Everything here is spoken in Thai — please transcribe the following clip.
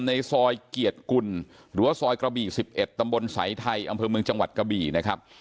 ในซอยเกียรติกุลหรือว่าซอยกระบี่๑๑ตำบลสายไทยอำเภอเมืองจังหวัดกระบี่นะครับ